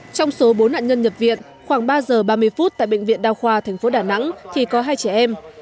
trong số bốn nạn nhân nhập viện khoảng ba giờ ba mươi phút tại bệnh viện đa khoa tp đà nẵng thì có hai trẻ em